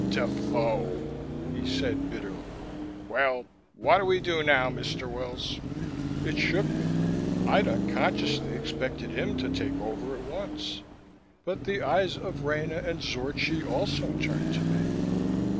"Defoe!" he said bitterly. "Well, what do we do now, Mr. Wills?" It shook me. I'd unconsciously expected him to take over at once. But the eyes of Rena and Zorchi also turned to me.